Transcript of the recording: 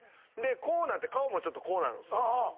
こうなって顔もちょっとこうなるんですよ。